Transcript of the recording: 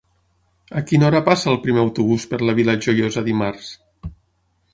A quina hora passa el primer autobús per la Vila Joiosa dimarts?